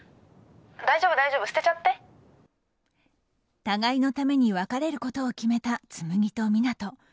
大丈夫、大丈夫互いのために別れることを決めた、紬と湊斗。